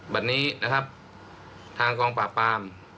วันนี้นะครับทางกองปราบปราม